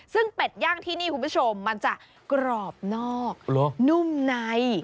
ซึ่งเป็ดย่างที่นี่คุณผู้ชมมันจะกรอบนอกนุ่มใน